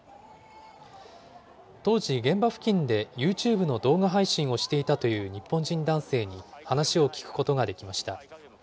当時、現場付近でユーチューブの動画配信をしていたという日本人男性に話を聞くことができました。